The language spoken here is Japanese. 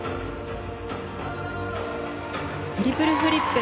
トリプルフリップ。